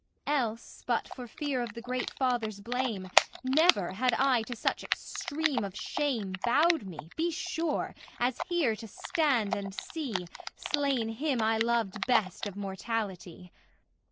Else, but for fear of the Great Father's blame, Never had I to such extreme of shame Bowed me, be sure, as here to stand and see Slain him I loved best of mortality!